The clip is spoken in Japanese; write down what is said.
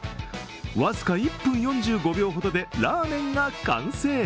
僅か１分４５秒ほどでラーメンが完成。